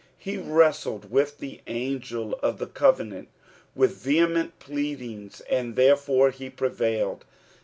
He wrestled with the angel of the covenant with vehement pleadings, and therefore he prevailed.